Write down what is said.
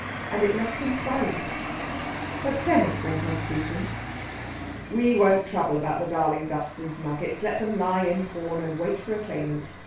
And it left him silent; but Fenwick went on speaking: "We won't trouble about the darling dust and nuggets; let them lie in pawn, and wait for a claimant.